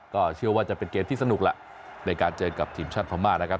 ก็เชื่อว่าจะเป็นเกมที่สนุกแหละในการเจอกับทีมชาติพม่านะครับ